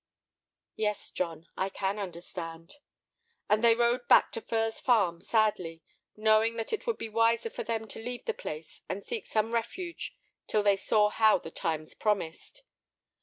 "Yes, John, I can understand." And they rode back to Furze Farm sadly, knowing that it would be wiser for them to leave the place and seek some other refuge till they saw how the times promised.